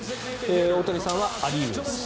大谷さんはア・リーグです。